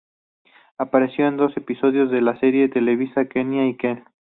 Apareció en dos episodios de la serie televisiva "Kenan y Kel".